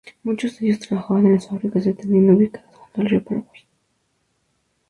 Muchos de ellos trabajan en las fábricas de tanino ubicadas junto al río Paraguay.